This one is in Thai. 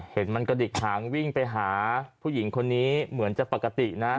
เห็นมันกระดิกหางวิ่งไปหาผู้หญิงคนนี้เหมือนจะปกตินะ